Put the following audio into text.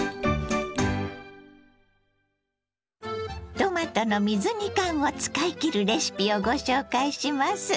トマトの水煮缶を使いきるレシピをご紹介します。